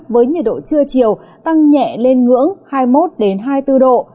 với nhiệt độ trưa chiều tăng nhẹ lên ngưỡng hai mươi một hai mươi bốn độ